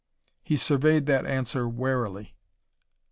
He surveyed that answer warily.